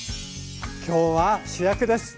今日は主役です。